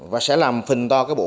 và sẽ làm phần to cái bộ máy